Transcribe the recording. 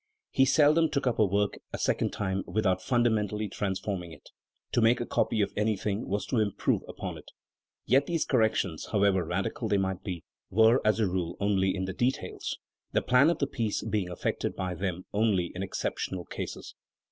He seldom took up a work a second time without funda mentally transforming it; to make a copy of anything was to improve upon it. Yet these corrections, however radical they might be, were as a rule only in the details, the plan of the piece being affected by them only in exceptional cases.